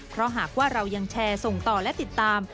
เพราะหากว่าเรายังแชร์ส่งต่อและติดตาม